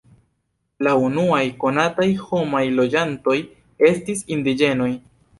La unuaj konataj homaj loĝantoj estis indiĝenoj.